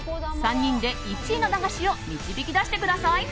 ３人で１位の駄菓子を導き出してください。